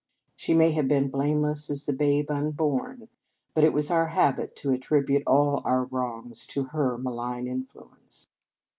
She may have been blameless as the babe unborn; but it was our habit to attribute all our wrongs to her malign influence.